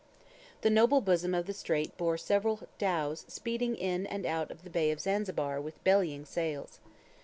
The noble bosom of the strait bore several dhows speeding in and out of the bay of Zanzibar with bellying sails.